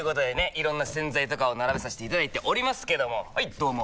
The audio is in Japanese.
いろんな洗剤とかを並べさせていただいておりますけどもはいどうも！